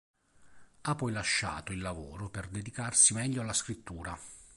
Ha poi lasciato il lavoro per dedicarsi meglio alla scrittura.